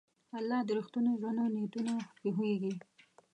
الله د رښتینو زړونو نیتونه پوهېږي.